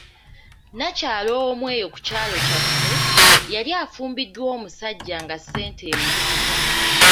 Nnakyala omu eyo ku kyalo kye waffe, yali afumbiddwa omusajja nga ssente emuyitaba.